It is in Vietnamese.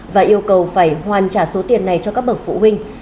và yêu cầu phải hoàn trả số tiền này cho các bậc phụ huynh